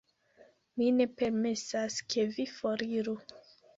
Mi ne permesas, ke vi foriru.